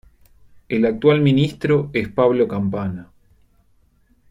El actual ministro es Pablo Campana.